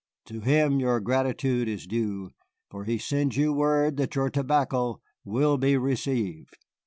To him your gratitude is due, for he sends you word that your tobacco will be received."